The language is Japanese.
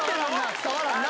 伝わらんな。